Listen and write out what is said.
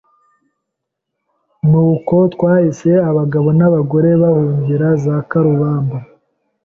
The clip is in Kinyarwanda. Ni uko twahise abagabo n’abagore bahungira za Karubamba